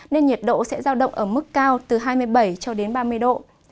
nên nhiệt độ sẽ giao động ở mức cao từ hai mươi bảy cho đến ba mươi độ